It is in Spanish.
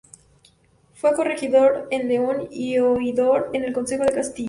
Fue corregidor en León y oidor en el Consejo de Castilla.